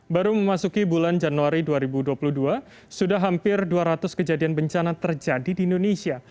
baru memasuki bulan januari dua ribu dua puluh dua sudah hampir dua ratus kejadian bencana terjadi di indonesia